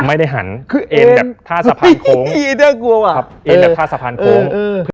ไม่ได้หันเอนแบบท่าสะพานโค้ง